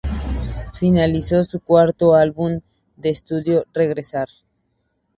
Finalizó su cuarto álbum de estudio: Regresar.